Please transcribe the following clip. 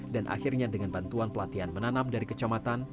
akhirnya dengan bantuan pelatihan menanam dari kecamatan